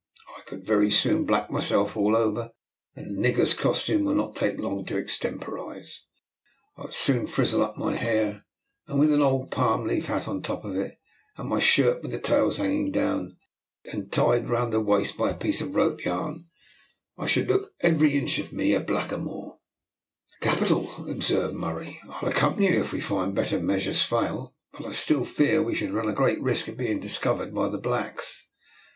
I could very soon black myself all over, and a nigger's costume will not take long to extemporise. I would soon frizzle up my hair, and with an old palm leaf hat on the top of it, and my shirt with the tails hanging down, and tied round the waist by a piece of rope yarn, I should look every inch of me a blackamoor." "Capital," observed Murray; "I'll accompany you if we find better measures fail; but still I fear that we should run a great risk of being discovered by the blacks."